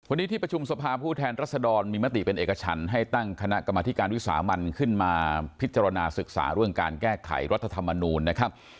วันนี้ที่ประชุมสภาผู้แทนรัศดรมีมติเป็นเอกชันให้ตั้งคณะกรรมธิการวิสามันขึ้นมาพิจารณาศึกษาเรื่องการแก้ไขรัฐธรรมนูลนะครับ